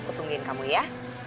aku tungguin kamu ya